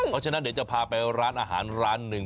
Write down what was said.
เพราะฉะนั้นเดี๋ยวจะพาไปร้านอาหารร้านหนึ่ง